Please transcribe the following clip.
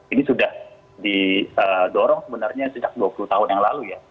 ini sudah didorong sebenarnya sejak dua puluh tahun yang lalu ya